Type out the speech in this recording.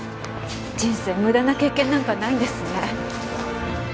人生無駄な経験なんかないんですね。